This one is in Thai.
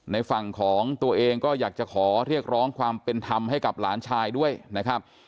ในฝั่งของตัวเองก็อยากจะขอเรียกร้องความเป็นธรรมให้กับหลานชายด้วยนะครับ